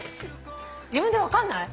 自分で分かんない？